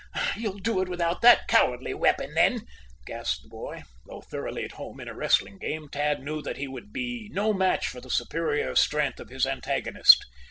"You'll do it without that cowardly weapon, then!" gasped the boy. Though thoroughly at home in a wrestling game, Tad knew that he would be no match for the superior strength of his antagonist.